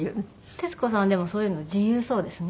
徹子さんはでもそういうの自由そうですね。